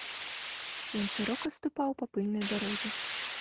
Ён шырока ступаў па пыльнай дарозе.